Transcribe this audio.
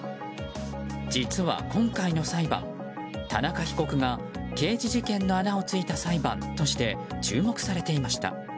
実は、今回の裁判田中被告が刑事事件の穴を突いた裁判として注目されていました。